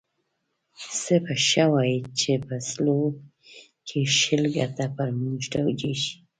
څه به ښه وای چې په سلو کې شل ګټه پر موږ توجیه شي.